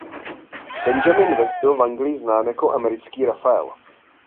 Benjamin West byl v Anglii znám jako "americký Raphael".